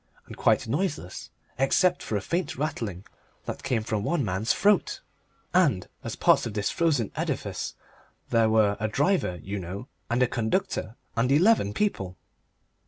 And quite noiseless except for a faint rattling that came from one man's throat! And as parts of this frozen edifice there were a driver, you know, and a conductor, and eleven people!